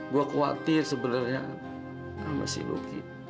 gue khawatir sebenarnya sama si lucky